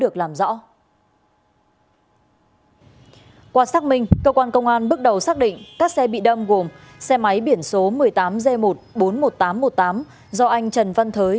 qua xác minh cơ quan công an bước đầu xác định các xe bị đâm gồm xe máy biển số một mươi tám g một trăm bốn mươi một nghìn tám trăm một mươi tám do anh trần văn thới